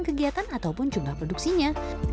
kegiatan ataupun jumlah produksinya